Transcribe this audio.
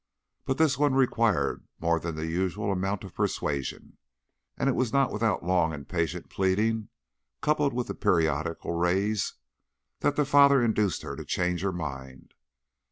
But this one required more than the usual amount of persuasion, and it was not without long and patient pleading, coupled with the periodical raise, that the father induced her to change her mind.